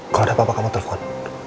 kalau ada apa apa kamu telpon